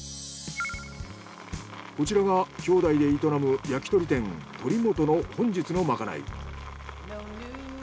こちらが兄弟で営む焼き鳥店鳥もとの本日のまかない。